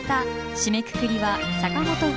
締めくくりは坂本冬美さん